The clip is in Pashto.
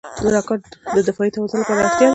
راکټ د دفاعي توازن لپاره اړتیا ده